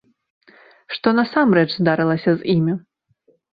Што насамрэч здарылася з імі?